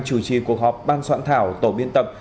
chủ trì cuộc họp ban soạn thảo tổ biên tập